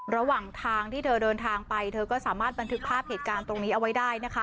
ระหว่างทางที่เธอเดินทางไปเธอก็สามารถบันทึกภาพเหตุการณ์ตรงนี้เอาไว้ได้นะคะ